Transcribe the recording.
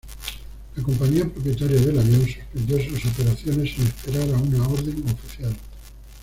La compañía propietaria del avión suspendió sus operaciones sin esperar a una orden oficial.